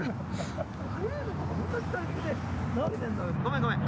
ごめんごめん。